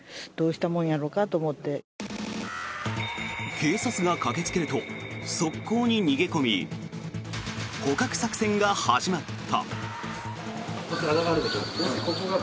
警察が駆けつけると側溝に逃げ込み捕獲作戦が始まった。